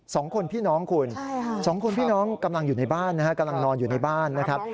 สองคนพี่น้องคุณใช่ค่ะสองคนพี่น้องกำลังอยู่ในบ้านนะฮะกำลังนอนอยู่ในบ้านนะครับ